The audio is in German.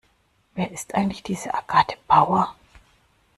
Wer ist eigentlich diese Agathe Bauer?